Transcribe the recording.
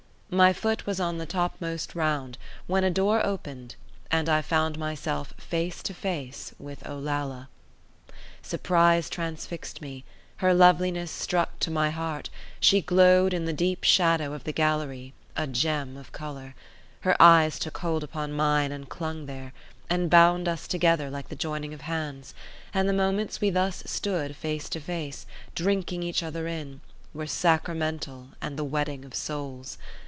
My foot was on the topmost round, when a door opened, and I found myself face to face with Olalla. Surprise transfixed me; her loveliness struck to my heart; she glowed in the deep shadow of the gallery, a gem of colour; her eyes took hold upon mine and clung there, and bound us together like the joining of hands; and the moments we thus stood face to face, drinking each other in, were sacramental and the wedding of souls.